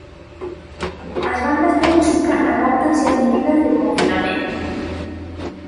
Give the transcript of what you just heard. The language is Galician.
As bandas de música adáptanse ás medidas de confinamento.